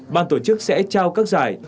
ban tổ chức sẽ trao các giải